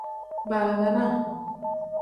Baaganaa.